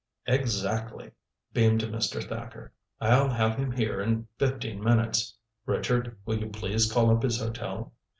"Exactly," beamed Mr. Thacker. "I'll have him here in fifteen minutes. Richard, will you please call up his hotel?"